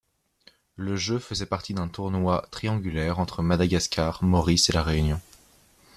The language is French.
Le jeu faisait partie d’un tournoi Triangulaire entre Madagascar, Maurice et La Réunion.